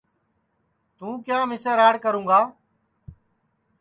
توں کیا مِسے راڑ کروں گا